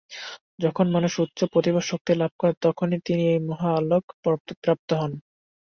যখন মানুষ উচ্চ প্রতিভা-শক্তি লাভ করেন, তখনই তিনি এই মহা আলোক প্রাপ্ত হন।